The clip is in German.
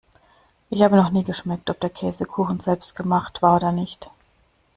Ich habe noch nie geschmeckt, ob der Käsekuchen selbstgemacht war oder nicht.